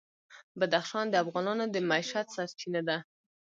بدخشان د افغانانو د معیشت سرچینه ده.